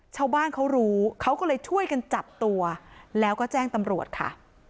ชาวบ้านเขารู้เขาก็เลยช่วยกันจับตัวแล้วก็แจ้งตำรวจค่ะ